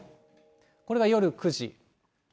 これが夜９時。